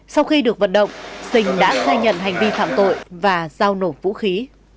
sau khi được vận động sình đã khai nhận hành vi phạm tội và giao nổ vũ khí